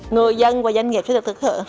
người dân và doanh nghiệp sẽ được thực hiện